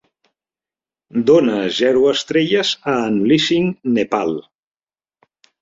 Dona zero estrelles a Unleashing Nepal